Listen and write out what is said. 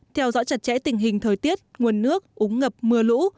theo dõi chặt chẽ tình hình thời tiết nguồn nước úng ngập mưa lũ